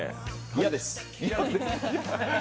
嫌です。